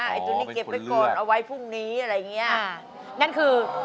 ไอ้ตัวนี้เก็บไว้ก่อนเอาไว้พรุ่งนี้อะไรอย่างนี้